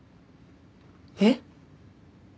えっ？